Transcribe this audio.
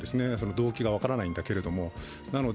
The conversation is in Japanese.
動機が分からないんだけれども。